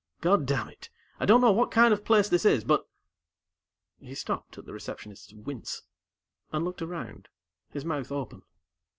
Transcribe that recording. "Goddam it, I don't know what kind of place this is, but " He stopped at the Receptionist's wince, and looked around, his mouth open.